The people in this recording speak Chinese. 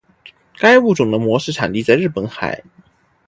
该物种的模式产地在日本海。